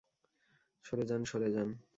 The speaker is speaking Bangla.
সরে যান, সরে যান।